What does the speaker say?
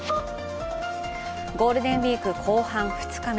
ゴールデンウイーク後半２日目。